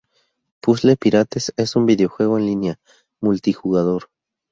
Puzzle Pirates es un videojuego en línea multijugador.